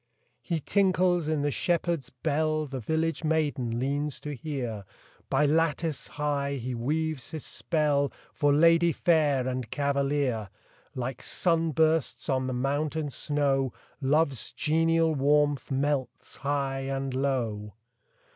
He tinkles in the shepherd s bell The village maiden leans to hear By lattice high he weaves his spell, For lady fair and cavalier : Like sun bursts on the mountain snow, Love s genial warmth melts high and low.